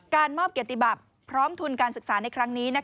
การมอบเกียรติบัติพร้อมทุนการศึกษาในครั้งนี้